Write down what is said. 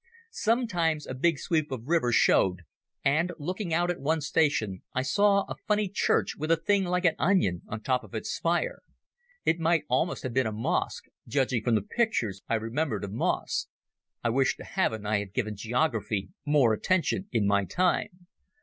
Sometimes a big sweep of river showed, and, looking out at one station I saw a funny church with a thing like an onion on top of its spire. It might almost have been a mosque, judging from the pictures I remembered of mosques. I wished to heaven I had given geography more attention in my time.